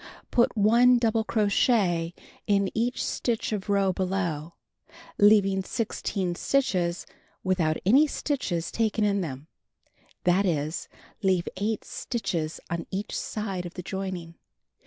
Put 1 double crochet in each stitch of row below, leaving 16 stitches without any stitches taken in them; that is, leave 8 stitches on each side of the joining.